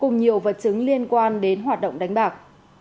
một vật chứng liên quan đến hoạt động đánh bạc